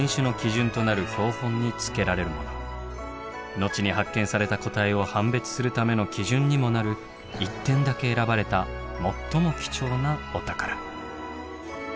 後に発見された個体を判別するための基準にもなる一点だけ選ばれた最も貴重なお宝。